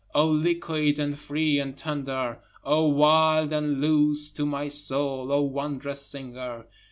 O liquid and free and tender! O wild and loose to my soul O wondrous singer!